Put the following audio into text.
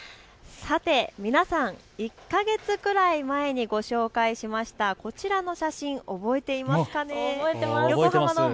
皆さん、１か月前くらいにご紹介しましたこちらの写真、覚えていますか。